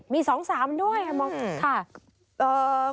มี๒๓ด้วยค่ะมอง